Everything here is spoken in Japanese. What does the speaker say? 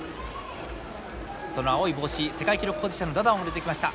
その青い帽子世界記録保持者のダダオンが出てきました。